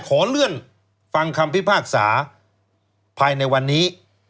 ขอเลื่อนฟังคำพิพากษาภายในวันนี้